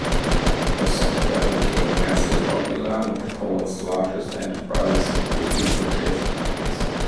The software became immensely popular with Poland's largest enterprises, who quickly purchased copies.